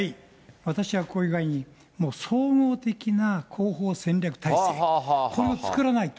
私はこういう具合に、総合的な広報戦略体制、これを作らないと。